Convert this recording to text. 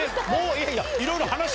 いやいや！